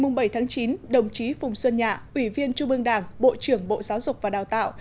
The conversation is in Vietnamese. ngày bảy chín đồng chí phùng xuân nhạ ủy viên trung ương đảng bộ trưởng bộ giáo dục và đào tạo